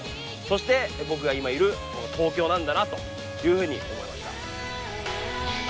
そして僕が今いるこの東京なんだなというふうに思いました。